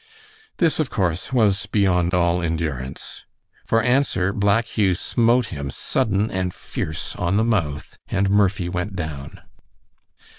This, of course, was beyond all endurance. For answer Black Hugh smote him sudden and fierce on the mouth, and Murphy went down.